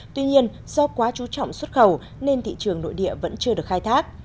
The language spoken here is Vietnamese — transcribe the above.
tuy nhiên do quá chú trọng xuất khẩu nên thị trường nội địa vẫn chưa được khai thác